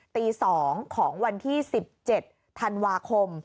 ตี๒ของวันที่๑๗ธันวาคม